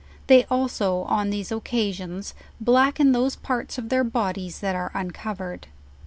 They also on these occasions blacken those parts of their bodies th&t are uncovered.